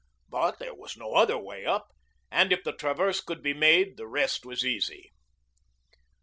But there was no other way up, and if the traverse could be made the rest was easy.